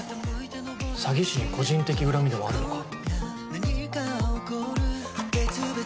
詐欺師に個人的恨みでもあるのか